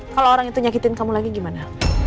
kalau orang itu nyakitin kamu lagi gimana